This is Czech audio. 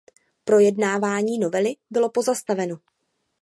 Projednávání novely bylo pozastaveno.